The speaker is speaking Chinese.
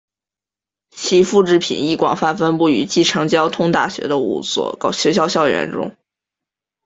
其复制品亦广泛分布于继承交通大学的五所学校校园中。